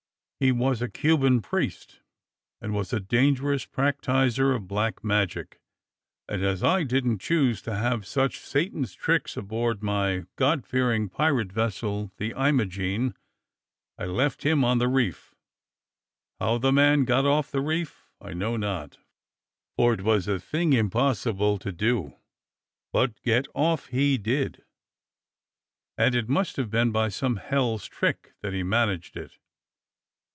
He was a Cuban priest and was a dangerous practiser of black magic, and as I didn't choose to have such satan's tricks aboard my God fearing pirate vessel, the Imogene, I left him on the reef. How the man got off the reef I know not; for it was a thing impossible to do. But get off he did, and it must have been by some hell's trick that he managed it.